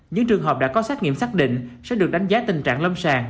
những trường hợp đã có xét nghiệm xác định sẽ được đánh giá tình trạng lâm sàng